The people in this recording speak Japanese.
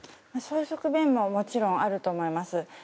そういう側面ももちろんあると思います。